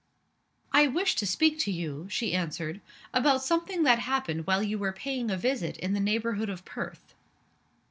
"I wished to speak to you," she answered, "about something that happened while you were paying a visit in the neighborhood of Perth."